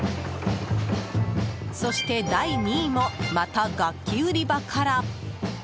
そして第２位もまた楽器売り場から。